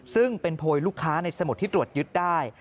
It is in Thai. ซึ่งเป็นโพยลูกค้าในสมุดที่ตรวจยึดได้